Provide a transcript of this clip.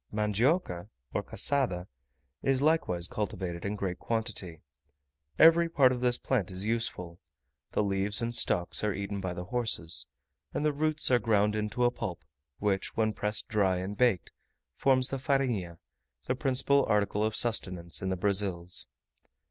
Mandioca or cassada is likewise cultivated in great quantity. Every part of this plant is useful; the leaves and stalks are eaten by the horses, and the roots are ground into a pulp, which, when pressed dry and baked, forms the farinha, the principal article of sustenance in the Brazils.